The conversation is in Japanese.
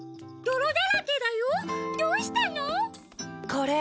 これ。